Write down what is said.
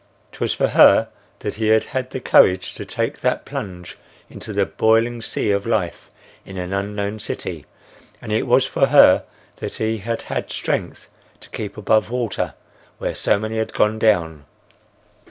'T was for her that he had had the courage to take that plunge into the boiling sea of life in an unknown city, and it was for her that he had had strength to keep above water, where so many had gone down.